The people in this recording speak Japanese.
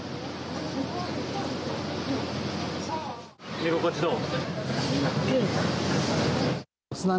寝心地どう。